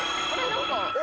何か。